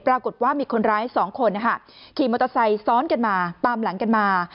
ปรากฏว่ามีคนร้าย๒คนขี่มอเตอร์ไซค์ซ้อนกันมาตามหลังกันมา